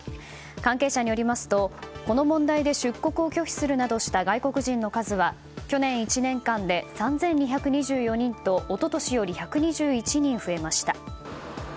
関係者によりますと、この問題で出国を拒否するなどした外国人の数は去年１年間で３２２４人と一昨年より１２１人増えました。